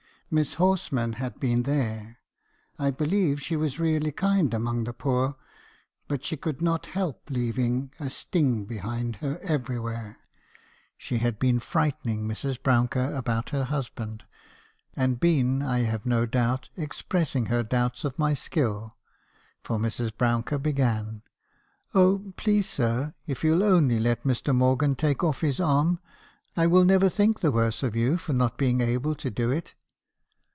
Miss Horsman had been there ; I believe she was really kind among the poor, but she could not help leaving a stinJg behind her everywhere. She had been frightening Mrs. Brouncker 288 mb. haerison's confessions. about her husband; and been, I have no doubt, expressing her doubts of my skill; for Mrs. Brouncker began: " l Oh , please sir, if you '11 only let Mr. Morgan take off his arm. I will never think the worse of you for not being able to do it.'